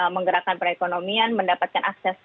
menggerakkan perekonomian mendapatkan akses